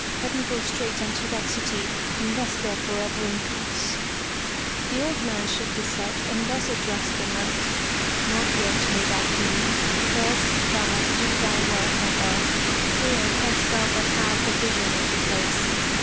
Let me go straight unto that city and rest there forever in peace!'* The old man shook his head, and thus addressed the Knight. 44 FROM THE TOWER WINDOW "Not yet may that be. First thou must do thy work on earth. Here canst thou but have the vision of the place.